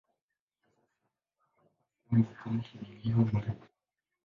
Kwa sasa imekuwa sehemu ya kaunti ya Elgeyo-Marakwet.